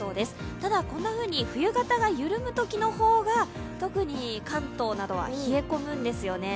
ただ、こんなふうに冬型が緩むときの方が特に関東などは冷え込むんですよね。